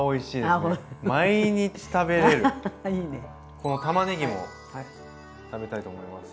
このたまねぎも食べたいと思います。